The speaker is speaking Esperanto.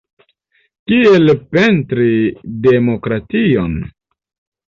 Kiel pentri demokration?